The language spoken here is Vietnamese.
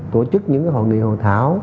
tổ chức những hội nghị hội thảo